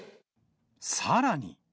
さらに。